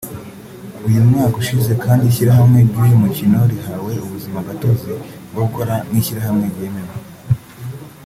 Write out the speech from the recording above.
uyu mwaka usize kandi ishyirahamwe ry’uyu mukino rihawe ubuzima gatozi bwo gukora nk’ishyirahamwe ryemewe